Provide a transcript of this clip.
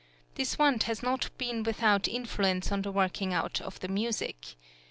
This want has not been without influence on the working out of the music.